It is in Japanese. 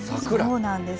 そうなんです。